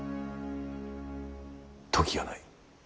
時がない。